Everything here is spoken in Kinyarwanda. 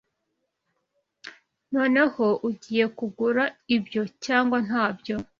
Noneho, ugiye kugura ibyo cyangwa ntabyo?